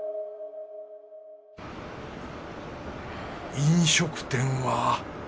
飲食店は。